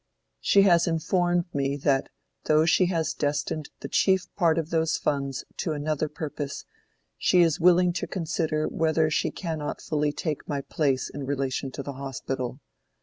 She has informed me that though she has destined the chief part of those funds to another purpose, she is willing to consider whether she cannot fully take my place in relation to the Hospital.